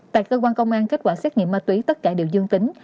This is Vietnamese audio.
tại cơ quan công an kết quả xét nghiệm ma túy tất cả đều dương tính